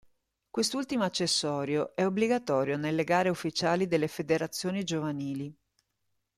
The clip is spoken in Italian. Quest'ultimo accessorio è obbligatorio nelle gare ufficiali delle federazioni giovanili.